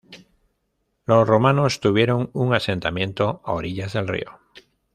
Los romanos tuvieron un asentamiento a orillas del río.